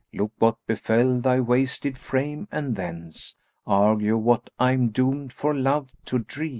Look what befel thy wasted frame, and thence * Argue what I am doomed for love to dree!